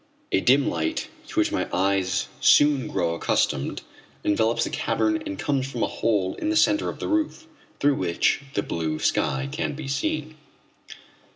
A dim light to which my eyes soon grow accustomed envelops the cavern and comes from a hole in the centre of the roof, through which the blue sky can be seen.